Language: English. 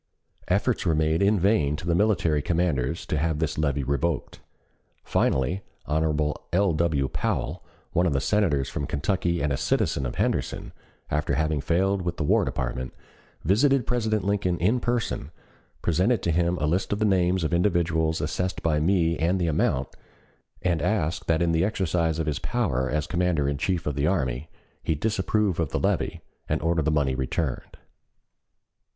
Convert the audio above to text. Efforts were made in vain to the military commanders to have this levy revoked. Finally Hon. L. W. Powell, one of the Senators from Kentucky and a citizen of Henderson, after having failed with the War Department, visited President Lincoln in person, presented to him a list of the names of individuals assessed by me and the amount, and asked that in the exercise of his power as Commander in Chief of the Army he disapprove of the levy and order the money returned.